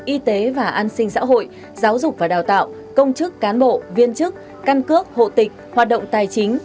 y tế và an sinh xã hội giáo dục và đào tạo công chức cán bộ viên chức căn cước hộ tịch hoạt động tài chính